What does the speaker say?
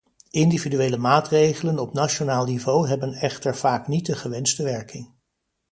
Individuele maatregelen op nationaal niveau hebben echter vaak niet de gewenste werking.